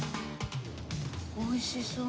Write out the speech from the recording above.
おいしそう。